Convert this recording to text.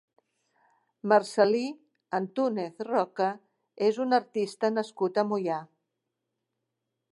Marcel·lí Antúnez Roca és un artista nascut a Moià.